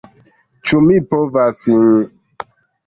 Ĉu mi povas...?